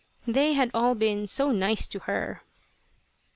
They had all been "so nice" to her.